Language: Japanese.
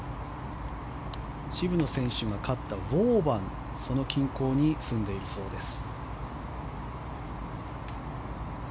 渋野選手が勝ったウォーバンその近郊に住んでいるそうです。